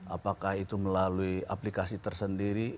apakah itu melalui aplikasi tersendiri